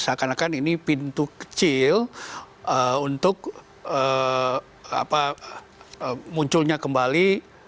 seakan akan ini pintu kecil untuk munculnya kembali